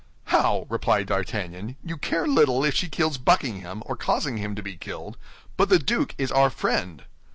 "How?" replied D'Artagnan, "you care little if she kills Buckingham or causes him to be killed? But the duke is our friend."